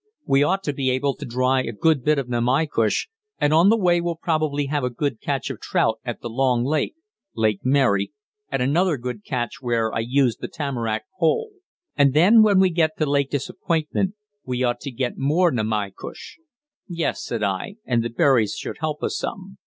We ought to be able to dry a good bit of namaycush, and on the way we'll probably have a good catch of trout at the long lake [Lake Mary], and another good catch where I used the tamarack pole. And then when we get to Lake Disappointment we ought to get more namaycush." "Yes," said I; "and the berries should help us some."